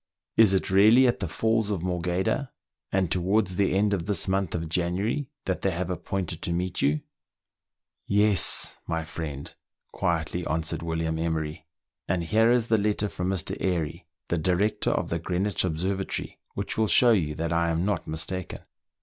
" Is it really at the Falls of Morgheda, and towards the end of this month of January, that they have appointed to meet you ?" "Yes, my friend," quietly answered William Emery, "and here is the letter from Mr. Airy, the director of the Greenwich Observatory, which will show you that I am not mistaken."